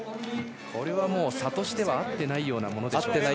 これは差としては合ってないようなもんですか？